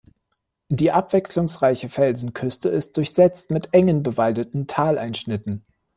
Die abwechslungsreiche Felsenküste ist durchsetzt mit engen, bewaldeten Taleinschnitten.